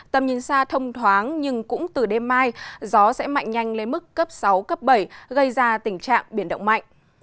tầm nhìn xa thông thoáng nhưng cũng từ đêm mai gió sẽ mạnh nhanh lên mức cấp sáu cấp bảy gây ra tình trạng biển động mạnh